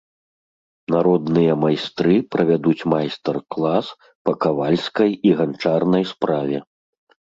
Народныя майстры правядуць майстар-клас па кавальскай і ганчарнай справе.